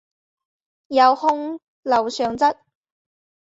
有兄刘尚质。